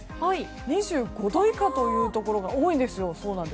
２５度以下というところが多いんですよ。